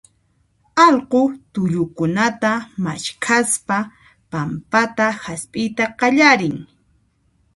allqu tullukunata maskhaspa pampata hasp'iyta qallarin.